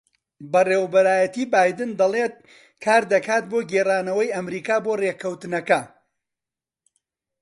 بەڕێوەبەرایەتیی بایدن دەڵێت کار دەکات بۆ گێڕانەوەی ئەمریکا بۆ ڕێککەوتنەکە